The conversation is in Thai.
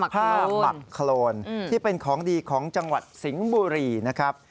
หมักโครนที่เป็นของดีของจังหวัดสิงห์บุรีนะครับ